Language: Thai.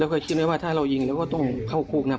แล้วก็คิดไหมว่าถ้าเรายิงเราก็ต้องเข้าคุกนะ